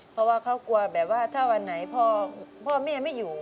เพราะว่าเขากลัวแบบว่าถ้าวันไหนพ่อแม่ไม่อยู่